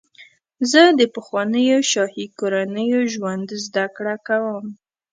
زه د پخوانیو شاهي کورنیو ژوند زدهکړه کوم.